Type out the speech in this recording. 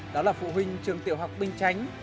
đó là phụ huynh trường tiểu học binh chánh